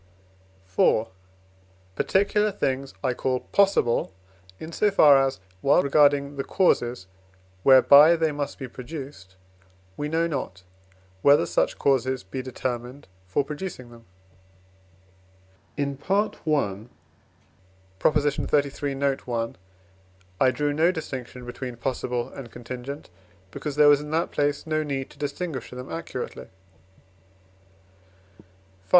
IV. Particular things I call possible in so far as, while regarding the causes whereby they must be produced, we know not, whether such causes be determined for producing them. (In I. xxxiii. note. i., I drew no distinction between possible and contingent, because there was in that place no need to distinguish them accurately.) V.